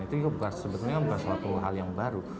itu sebenarnya bukan salah satu hal yang baru